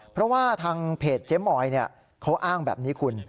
เพราะว่าทางเพจเจ๊มอยเขาอ้างแบบนี้คุณ